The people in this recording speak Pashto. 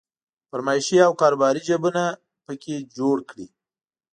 فرمایشي او کاروباري جيبونه په کې جوړ کړي.